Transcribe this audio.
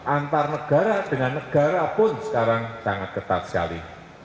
antar negara dengan negara pun sekarang sangat ketat sekali